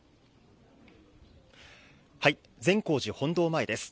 善光寺本堂前です。